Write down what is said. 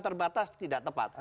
terbatas tidak tepat